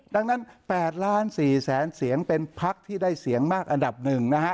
ดังนั้น๘ล้าน๔แสนเสียงเป็นพักที่ได้เสียงมากอันดับหนึ่งนะฮะ